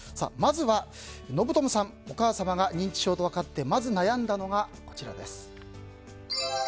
まずは信友さんお母様が認知症と分かってまず悩んだのがこちらです。